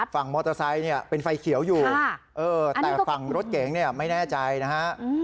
ฝั่งมอเตอร์ไซค์เนี่ยเป็นไฟเขียวอยู่แต่ฝั่งรถเก๋งเนี่ยไม่แน่ใจนะฮะ